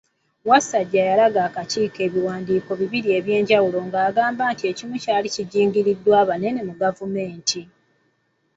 Wasajja yalaga akakiiko ebiwandiiko bibiri ebyenjawulo n'agamba nti ekimu kyali kigingiriddwa abanene mu gavumenti.